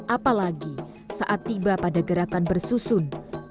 apalagi saat tiba pada gerakan bersusun